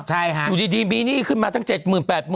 ใช่ค่ะอยู่ดีมีหนี้ขึ้นมาตั้ง๗๘๐๐๐